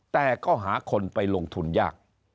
แต่ก็หาคนไปลงทุนยาก